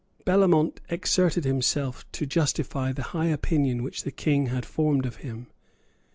Bellamont exerted himself to justify the high opinion which the King had formed of him.